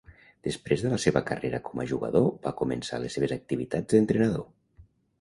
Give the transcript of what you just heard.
Després de la seva carrera com a jugador va començar les seves activitats d'entrenador.